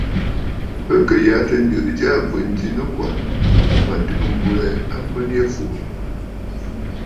Bɨ kɨ̀ yàtə̂ ǹjɨ̀ʼɨ̀ ja ɨ̀bwèn ji nɨkwà, mə̀ tɨgə̀ m̀bwɛɛ abwen yî fùùrə̀.